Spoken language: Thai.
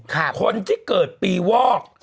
คนที่เกิดปีวอก